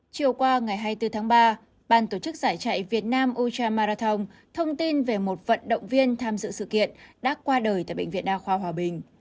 chiều qua ngày hai mươi bốn tháng ba ban tổ chức giải chạy việt nam ocha marathon thông tin về một vận động viên tham dự sự kiện đã qua đời tại bệnh viện đa khoa hòa bình